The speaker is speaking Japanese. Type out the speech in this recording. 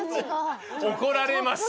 怒られます！